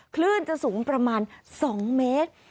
คลื่นจะสูงประมาณ๒เมตร